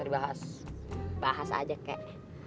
bahas bahas aja kek